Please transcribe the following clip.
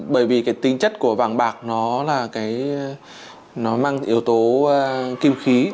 bởi vì cái tính chất của vàng bạc nó mang yếu tố kim khí